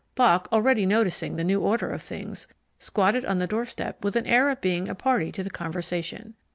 Bock already noticing the new order of things, squatted on the doorstep with an air of being a party to the conversation.